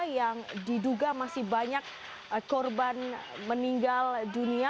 yang diduga masih banyak korban meninggal dunia